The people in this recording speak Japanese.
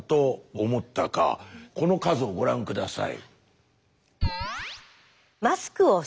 この数をご覧下さい。